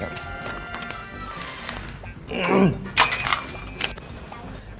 ซอยเดิมเมื่อกี้